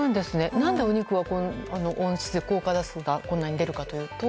何で、お肉は温室効果ガスがこんなに出るんですか。